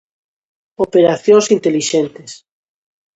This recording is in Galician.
Operacións intelixentes.